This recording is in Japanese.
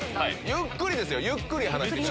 ゆっくりですよゆっくり離して。